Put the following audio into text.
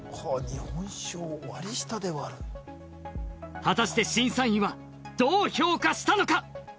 日本酒を割下で割る果たして審査員はどう評価したのか？